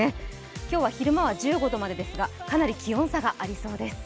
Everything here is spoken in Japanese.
今日は蛭間は１５度までですが、かなり気温差がありそうです。